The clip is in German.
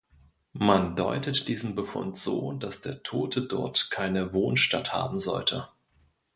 Man deutet diesen Befund so, dass der Tote dort keine Wohnstatt haben sollte.